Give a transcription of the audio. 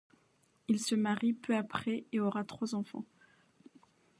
Il se marie peu après et aura trois enfants.